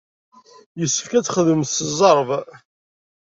Yessefk ad txedmem s zzerb.